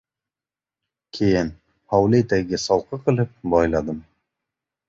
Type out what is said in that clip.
Keyin, hovli etagiga solqi qilib boyladim.